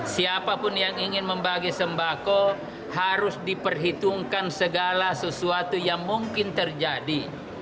siapapun yang ingin membagi sembako harus diperhitungkan segala sesuatu yang mungkin terjadi